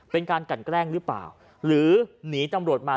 เป็นการกันแกล้งหรือเปล่าหรือหนีตำรวจมา